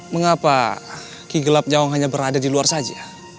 mengapa ki gelap jauh hanya berada di luar saja